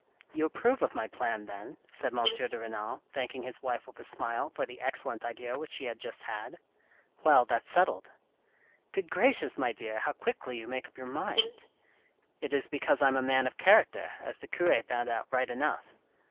"You approve of my plan, then?" said M. de Renal, thanking his wife with a smile for the excellent idea which she had just had. " Well, that's settled." " Good gracious, my dear, how quickly you make up your mind !"" It is because I'm a man of character, as the cure found out right enough.